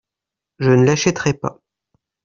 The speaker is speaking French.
Je ne l'achèterai pas.